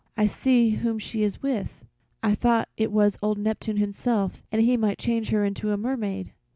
I see whom she is with. I thought it was old Neptune himself and he might change her into a mermaid."